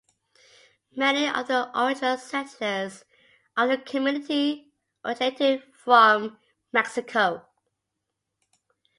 Many of the original settlers of the community originated from Mexico.